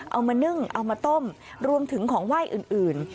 นึ่งเอามาต้มรวมถึงของไหว้อื่น